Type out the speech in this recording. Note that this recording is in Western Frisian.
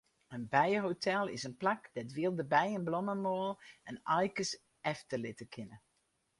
In bijehotel is in plak dêr't wylde bijen blommemoal en aaikes efterlitte kinne.